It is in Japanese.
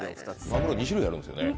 まぐろ２種類あるんですよね。